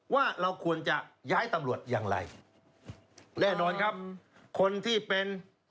ว่าเราควรจะย้ายตำรวจอย่างไรแน่นอนครับคนที่เป็น